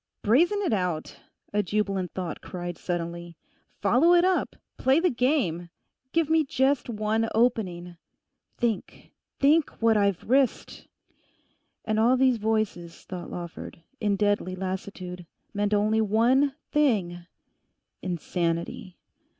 'Brazen it out,' a jubilant thought cried suddenly; 'follow it up; play the game! give me just one opening. Think—think what I've risked!' And all these voices thought Lawford, in deadly lassitude, meant only one thing—insanity.